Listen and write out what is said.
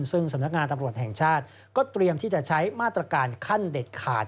ซึ่งสำนักงานตำรวจแห่งชาติก็เตรียมที่จะใช้มาตรการขั้นเด็ดขาด